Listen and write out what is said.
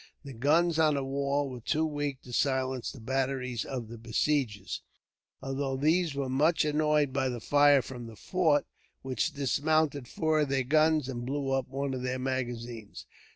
The guns on the wall were too weak to silence the batteries of the besiegers, although these were much annoyed by the fire from the fort, which dismounted four of their guns, and blew up one of their magazines.